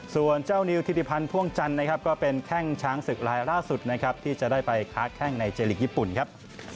ส่วนเจ้านิวธิริพันธ์พ่วงจันทร์นะครับก็เป็นแข้งช้างศึกลายล่าสุดนะครับที่จะได้ไปค้าแข้งในเจลีกญี่ปุ่นครับ